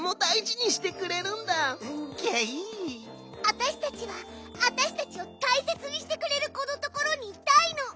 わたしたちはわたしたちをたいせつにしてくれるこのところにいたいの！